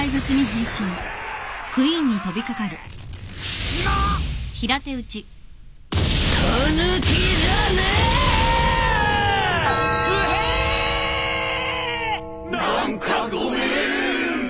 何かごめん！